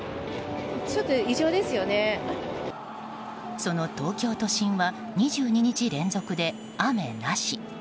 その東京都心は２２日連続で雨なし。